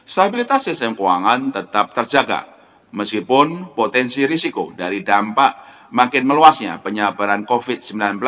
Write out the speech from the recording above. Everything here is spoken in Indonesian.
stabilitas sistem keuangan tetap terjaga meskipun potensi risiko dari dampak makin meluasnya penyebaran covid sembilan belas